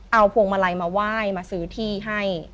เอาพวงมาลัยมาไหว้มาซื้อที่ให้